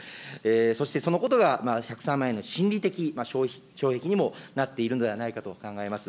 そして、そのことが１０３万円の心理的障壁にもなっているのではないかと考えます。